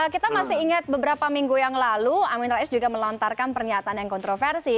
kita masih ingat beberapa minggu yang lalu amin rais juga melontarkan pernyataan yang kontroversi